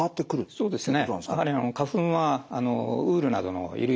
そうですね。